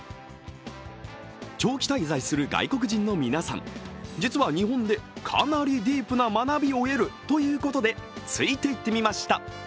長期滞在する外国人の皆さん、実は日本でかなりディープな学びを得るということでついていってみました。